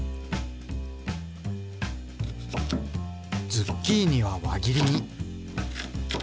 ズッキーニは輪切りに。